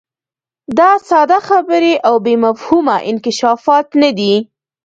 دا ساده خبرې او بې مفهومه انکشافات نه دي.